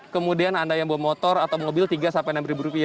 kemudian anda yang bawa motor atau mobil tiga sampai enam ribu rupiah